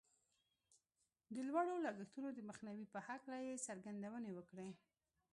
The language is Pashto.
د لوړو لګښتونو د مخنیوي په هکله یې څرګندونې وکړې